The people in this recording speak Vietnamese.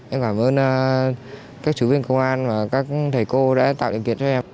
em cảm ơn các chú viên công an và các thầy cô đã tạo điều kiện cho em